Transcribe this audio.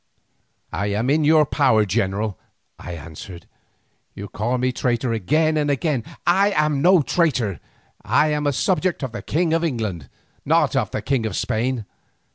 "I am in your power, general," I answered. "You call me traitor again and again. I am no traitor. I am a subject of the King of England, not of the King of Spain.